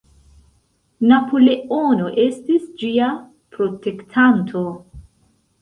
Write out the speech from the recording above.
Napoleono estis ĝia "protektanto".